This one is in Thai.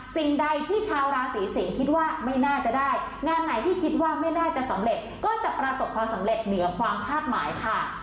สิ่งใดที่ชาวราศีสิงศ์คิดว่าไม่น่าจะได้งานไหนที่คิดว่าไม่น่าจะสำเร็จก็จะประสบความสำเร็จเหนือความคาดหมายค่ะ